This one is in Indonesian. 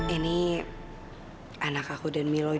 ini anak aku dan milo